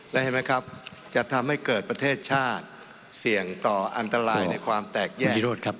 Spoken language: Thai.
เห็นไหมครับจะทำให้เกิดประเทศชาติเสี่ยงต่ออันตรายในความแตกแย่